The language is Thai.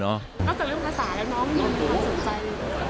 นอกจากเรื่องภาษาแล้วน้องมีความสนใจ